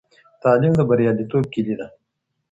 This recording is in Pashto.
تعليم د برياليتوب کلۍ ده.